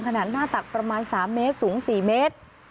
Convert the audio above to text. หน้าตักประมาณ๓เมตรสูง๔เมตร